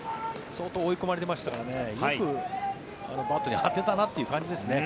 相当追い込まれてましたからよくバットに当てたなという感じですね。